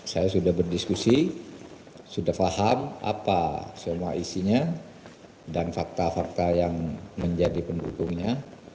saya sudah berdiskusi sudah paham apa semua isinya dan fakta fakta yang menjadi pendukungnya